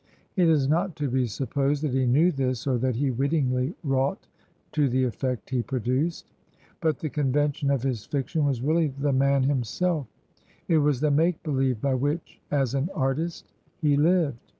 It is not to be supposed that he knew this, or that he wittingly wrought to the effect he produced. But the convention of his fiction was really the man himself; it was the make beheve by which, as an artist, he lived.